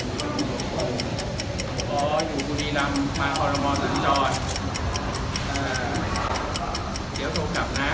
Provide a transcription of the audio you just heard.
เดี๋ยวโทรกลับนะ